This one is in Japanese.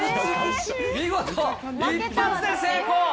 見事、一発で成功。